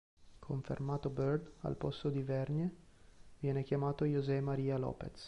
Confermato Bird, al posto di Vergne viene chiamato José María López.